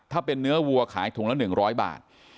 ถ้าเป็นเนื้อวัวขายถุงละ๑๐๐บาท